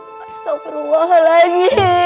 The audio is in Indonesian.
pasok beruang lagi